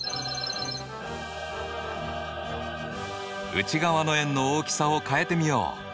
内側の円の大きさを変えてみよう。